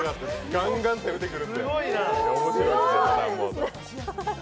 ガンガン攻めてくるって。